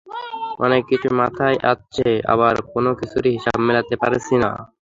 অনেক কিছুই মাথায় আসছে, আবার কোনো কিছুরই হিসাব মেলাতে পারছি না।